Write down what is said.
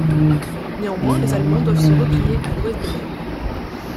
Néanmoins, les Allemands doivent se replier à l’ouest de l’Elbe.